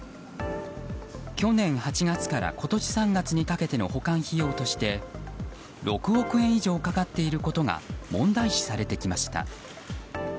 去年８月から今年３月にかけての保管費用として６億円以上かかっていることが問題視されてきました。